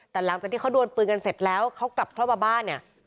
แต่หลังจากที่เขาดวนปืนกันเสร็จแล้วเขากลับเข้ามาบ้านเนี่ย